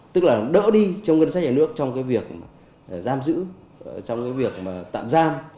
tức là đỡ đi trong ngân sách nhà nước trong cái việc giam giữ trong cái việc mà tạm giam